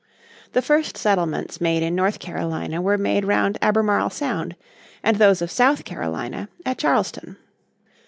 The first settlements made in North Carolina were made round Albemarle Sound, and those of South Carolina at Charleston.